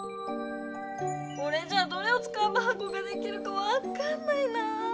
これじゃあどれをつかえばはこができるかわかんないなぁ。